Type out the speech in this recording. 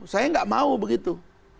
saya gak mau begitu